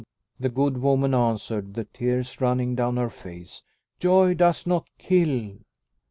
the good woman answered, the tears running down her face. "Joy does not kill!"